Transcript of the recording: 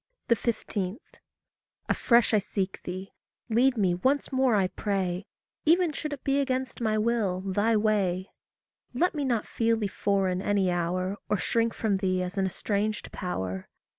15. Afresh I seek thee. Lead me once more I pray Even should it be against my will, thy way. Let me not feel thee foreign any hour, Or shrink from thee as an estranged power.